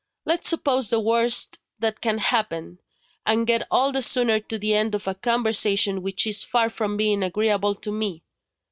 "Let's suppose the worst that can happen, and get all the sooner to the end of a conversation which is far from being agreeable to me.